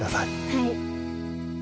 はい。